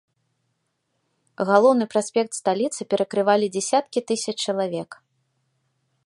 Галоўны праспект сталіцы перакрывалі дзясяткі тысяч чалавек.